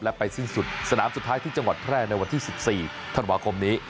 ไปสิ้นสุดสนามสุดท้ายที่จังหวัดแพร่ในวันที่๑๔ธันวาคมนี้